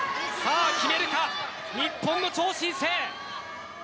決めるか、日本の超新星。